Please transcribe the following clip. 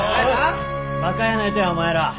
バカやないとやお前ら。